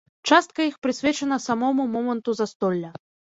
Частка іх прысвечана самому моманту застолля.